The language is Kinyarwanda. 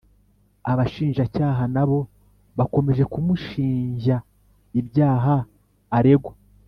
Abashinjacyaha nabo bakomeje kumushinjya ibyaha aregwa